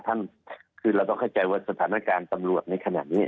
ท่านคือเราต้องเข้าใจว่าสถานการณ์ตำรวจในขณะนี้